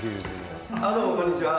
どうもこんにちは。